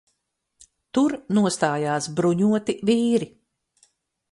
Tur nostājās bruņoti vīri.